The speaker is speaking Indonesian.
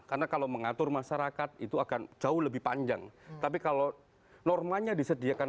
karena kalau mengatur masyarakat itu akan jauh lebih panjang tapi kalau normanya disediakan